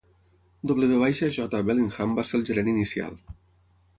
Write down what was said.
W. J. Bellingham va ser el gerent inicial.